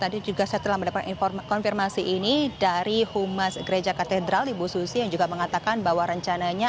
tadi juga saya telah mendapat konfirmasi ini dari humas gereja katedral ibu susi yang juga mengatakan bahwa rencananya